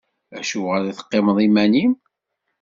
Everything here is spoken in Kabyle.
Acuɣeṛ i teqqimeḍ iman-im?